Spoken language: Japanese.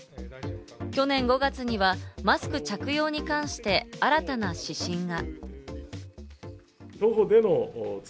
去年５月にはマスク着用に関して新たな指針が。